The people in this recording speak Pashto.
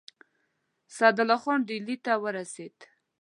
سعدالله خان ډهلي ته ورسېد.